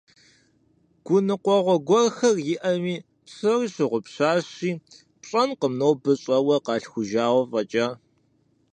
Гуныкъуэгъуэ гуэрхэр иӀэми, псори щыгъупщащи, пщӀэнкъым нобэ щӀэуэ къалъхужауэ фӀэкӀа.